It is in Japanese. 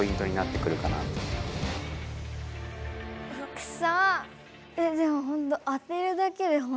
くそ！